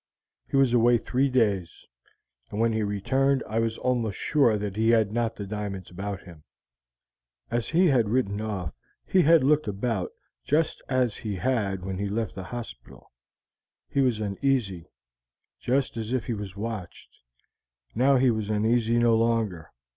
"He was away three days, and when he returned I was almost sure that he had not the diamonds about him. As he had ridden off he had looked about just as he had when he left the hospital: he was uneasy, just as if he was watched; now he was uneasy no longer.